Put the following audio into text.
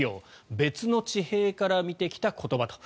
別の地平から見てきた言葉？と。